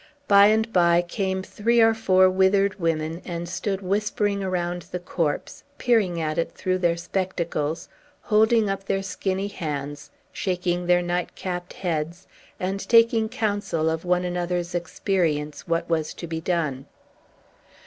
By and by came three or four withered women and stood whispering around the corpse, peering at it through their spectacles, holding up their skinny hands, shaking their night capped heads, and taking counsel of one another's experience what was to be done.